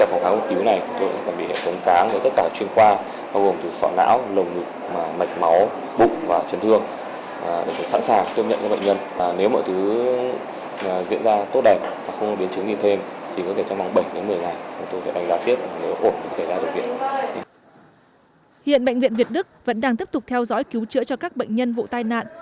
hiện bệnh viện việt đức vẫn đang tiếp tục theo dõi cứu chữa cho các bệnh nhân vụ tai nạn